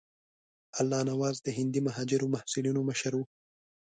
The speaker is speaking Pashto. الله نواز د هندي مهاجرو محصلینو مشر وو.